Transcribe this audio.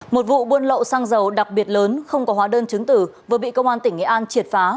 một vụ buôn lậu xăng dầu đặc biệt lớn không có hóa đơn chứng tử vừa bị công an tỉnh nghệ an triệt phá